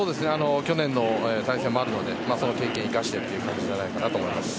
去年の対戦もあるのでその経験を生かしてという感じじゃないかなと。